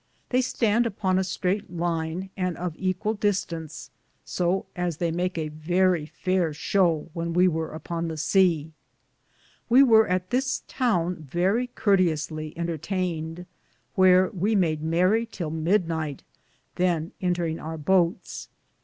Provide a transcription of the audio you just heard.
They stande upon a straighte lyne, and of an equalle distance, so as theye made a verrie fayer shaw when we weare upon the seae. We weare at this towne verrie Curtiusly entertained, wheare we made merrie till mydnyghte, than Entringe our boates.